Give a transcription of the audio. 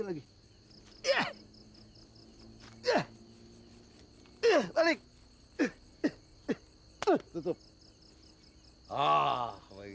hai eh balik eh eh eh eh eh balik